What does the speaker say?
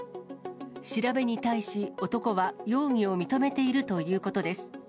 調べに対し、男は容疑を認めているということです。